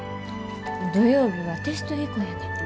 土曜日はテスト飛行やねん。